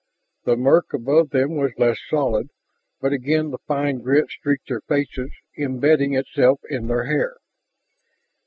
The murk above them was less solid, but again the fine grit streaked their faces, embedding itself in their hair.